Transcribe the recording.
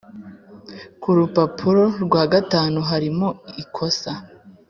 ku rupapuro rwa gatanu harimo ikosa